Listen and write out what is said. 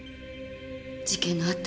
事件があった